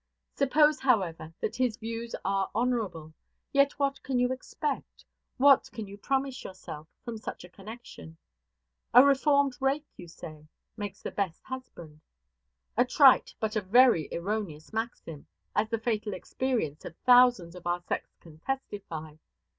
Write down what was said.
Suppose, however, that his views are honorable; yet what can you expect, what can you promise yourself, from such a connection? "A reformed rake," you say, "makes the best husband" a trite, but a very erroneous maxim, as the fatal experience of thousands of our sex can testify.